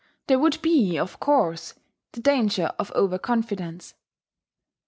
There would be, of course, the danger of overconfidence.